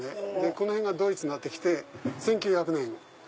この辺がドイツになってきて１９００年。